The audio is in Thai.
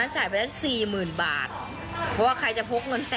อันนี้คือผมมาตรงนี้เดี๋ยวก่อนนะ